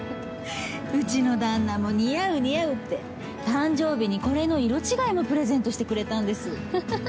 うちの旦那も似合う似合うって誕生日にこれの色違いもプレゼントしてくれたんです。